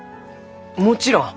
もちろん！